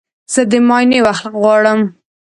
زه د معاینې وخت غواړم.